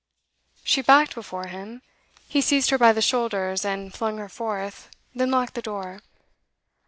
She backed before him. He seized her by the shoulders, and flung her forth, then locked the door.